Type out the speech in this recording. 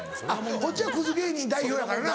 こっちはクズ芸人代表やからな。